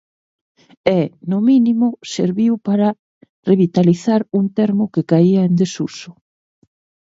E, no mínimo, serviu para revitalizar un termo que caia en desuso.